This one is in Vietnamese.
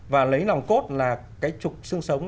và lấy lòng cốt là cái trục sương sống